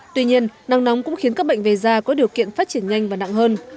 tuy nhiên nắng nóng cũng khiến các bệnh về da có điều kiện phát triển nhanh và nặng hơn